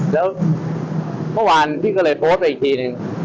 แล้วเมื่อวานพี่ก็เลยโพสต์ไปอีกทีนึง